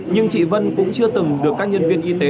nhưng chị vân cũng chưa từng được các nhân viên y tế